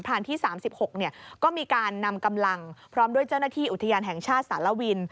ที่๓๖ก็มีการนำกำลังพร้อมด้วยเจ้าหน้าที่อุทยานแห่งชาติสารวิน